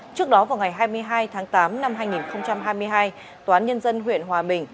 trước đó vào ngày hai mươi hai tháng tám năm hai nghìn hai mươi hai tòa án nhân dân huyện hòa bình